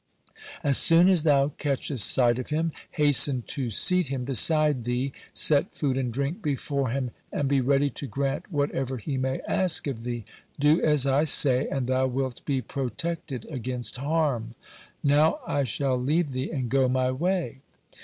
As soon as thou catchest sight of him, hasten to seat him beside thee, set food and drink before him, and be ready to grant whatever he may ask of thee. Do as I say, and thou wilt be protected against harm. Now I shall leave thee and go my way."